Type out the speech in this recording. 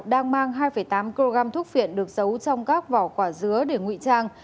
đang mang hai tám kg thuốc phiện được giấu trong các vỏ quả dứa để ngụy trang